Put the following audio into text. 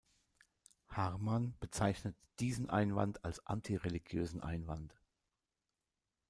Harman bezeichnet diesen Einwand als "antireligiösen Einwand".